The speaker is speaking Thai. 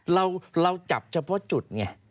เราจับเฉพาะจุดไง